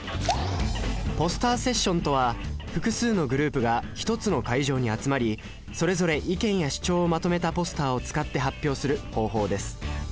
ポスターセッションとは複数のグループが一つの会場に集まりそれぞれ意見や主張をまとめたポスターを使って発表する方法です